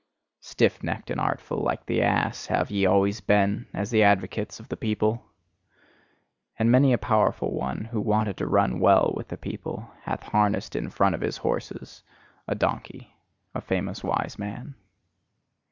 Stiff necked and artful, like the ass, have ye always been, as the advocates of the people. And many a powerful one who wanted to run well with the people, hath harnessed in front of his horses a donkey, a famous wise man.